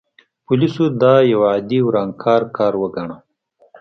پولیسو دا یو عادي ورانکار کار وګاڼه.